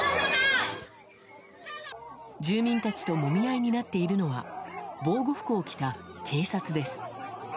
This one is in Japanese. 住民たちともみ合いになっているのは防護服を着た警察です。